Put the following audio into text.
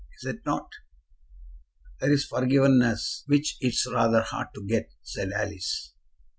Is it not?" "There is a forgiveness which it is rather hard to get," said Alice.